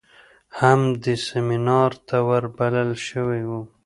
هم دې سمينار ته ور بلل شوى و.